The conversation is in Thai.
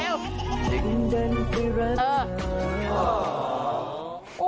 เอาดีกว่าเทียบ